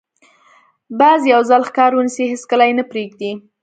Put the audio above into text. باز یو ځل ښکار ونیسي، هېڅکله یې نه پرېږدي